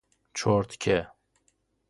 چرتکه